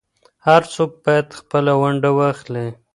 هر څوک بايد خپله ونډه واخلي.